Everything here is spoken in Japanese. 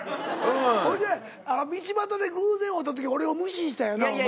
ほいで道端で偶然会うた時俺を無視したよなお前な。